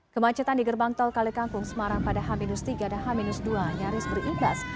kemacetan di gerbang tol kalikangkung semarang pada h tiga dan h dua nyaris berimbas